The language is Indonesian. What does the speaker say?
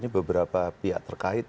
beberapa pihak terkait